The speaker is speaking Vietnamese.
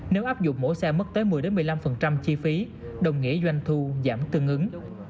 nếu áp dụng mỗi xe mất tới một mươi một mươi năm chi phí đồng nghĩa doanh thu giảm tương ứng